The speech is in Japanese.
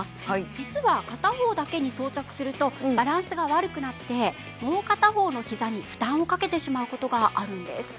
実は片方だけに装着するとバランスが悪くなってもう片方のひざに負担をかけてしまう事があるんです。